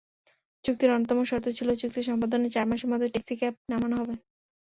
চুক্তির অন্যতম শর্ত ছিল, চুক্তি সম্পাদনের চার মাসের মধ্যে ট্যাক্সিক্যাব নামানো হবে।